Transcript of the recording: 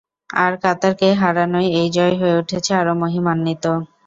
আর কাতারকে হারানোয় এই জয় হয়ে উঠেছে আরও মহিমান্বিত।